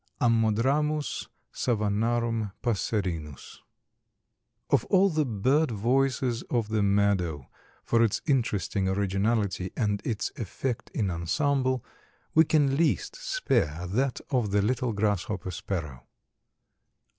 (Ammodramus savannarum passerinus.) Of all the bird voices of the meadow, for its interesting originality and its effect in ensemble, we can least spare that of the little Grasshopper Sparrow.